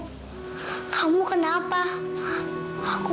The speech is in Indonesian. kamu kan anak kecil yang mirip banget sama aku